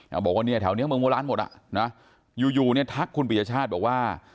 อยากบอกว่าเนี่ยแถวนี้เมืองโบราณหมดละอยู่ทักคุณประชาติบอกว่า